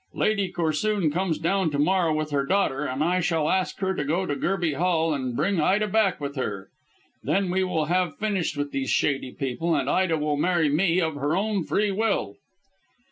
Lady Corsoon comes down to morrow with her daughter, and I shall ask her to go to Gerby Hall and bring Ida back with her. Then we will have finished with these shady people, and Ida will marry me of her own free will."